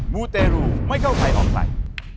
มูเตรูไม่เข้าใจออกไหล